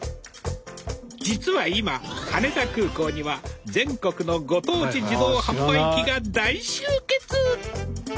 実は今羽田空港には全国のご当地自動販売機が大集結！